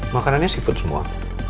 makanannya seafood semua